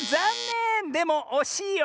でもおしいよ。